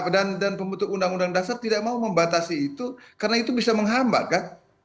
dan pembentuk undang undang dasar tidak mau membatasi itu karena itu bisa menghambat kan